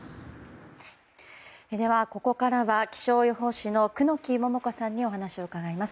では、ここからは気象予報士の久能木百香さんにお話を伺います。